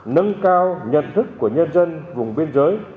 nâng cao nhận thức của nhân dân vùng biên giới